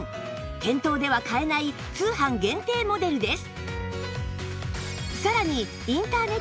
店頭では買えない通販限定モデルです